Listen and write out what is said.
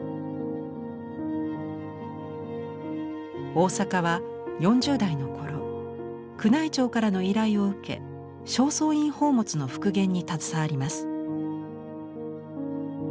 大坂は４０代の頃宮内庁からの依頼を受け正倉院宝物の復元に携わります。